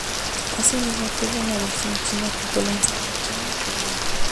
Así mismo, tuvo una versión china que fue lanzada en China y Taiwan.